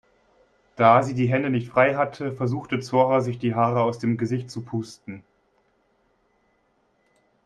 Da sie die Hände nicht frei hatte, versuchte Zora sich die Haare aus dem Gesicht zu pusten.